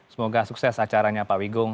semoga sukses acaranya pak wigung